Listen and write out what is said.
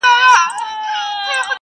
زۀ د حالاتو جبر شل نۀ کړمه